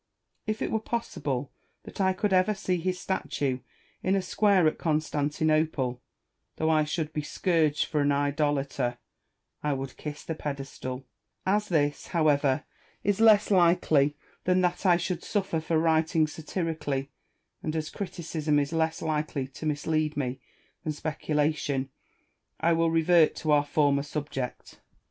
AJJieri. If it were possible that I could ever see his statue in a square at Constantinople, though I should be scourged for an idolater, I would kiss the pedestal. As ALFIERI AND SALOMON. 245 this, however, is less likely than that I should suffer for writing satirically, and jas criticism is less likely to mislead me than speculation, I will revert to our former suDJect.